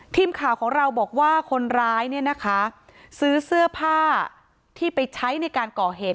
ทีมข่าวของเราบอกว่าคนร้ายเนี่ยนะคะซื้อเสื้อผ้าที่ไปใช้ในการก่อเหตุ